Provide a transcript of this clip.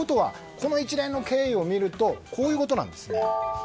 この一連の経緯を見るとこういうことなんです。